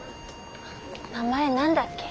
名前何だっけ？